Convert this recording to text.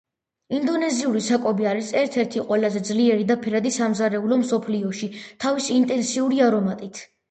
ინდონეზიური საკვები არის ერთ-ერთი ყველაზე ძლიერი და ფერადი სამზარეულო, მსოფლიოში თავისი ინტენსიური არომატით.